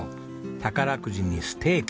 宝くじにステーキ。